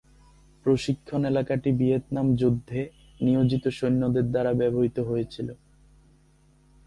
প্রশিক্ষণ এলাকাটি ভিয়েতনাম যুদ্ধে নিয়োজিত সৈন্যদের দ্বারা ব্যবহৃত হয়েছিল।